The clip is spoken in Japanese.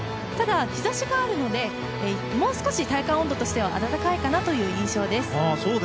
ただ、日ざしがあるのでもう少し体感温度としては暖かいかなという印象です。